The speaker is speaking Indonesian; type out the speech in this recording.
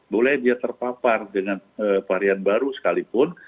boleh dia terpapar dengan varian baru sekalipun